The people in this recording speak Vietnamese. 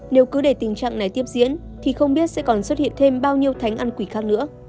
nếu cứ để tình trạng này tiếp diễn thì không biết sẽ còn xuất hiện thêm bao nhiêu thánh ăn quỷ khác nữa